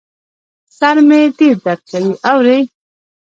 سر مي ډېر درد کوي ، اورې ؟